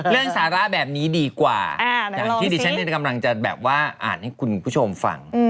เรื่องสาระแบบนี้ดีกว่าอย่างที่ดิฉันกำลังจะแบบว่าอ่านให้คุณผู้ชมฟัง